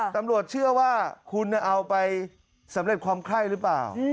ตำรวจเชื่อว่าคุณเอาไปสำเร็จความไข้หรือเปล่า